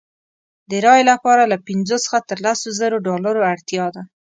د رایې لپاره له پنځو څخه تر لسو زرو ډالرو اړتیا ده.